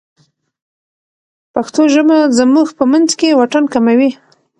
پښتو ژبه زموږ په منځ کې واټن کموي.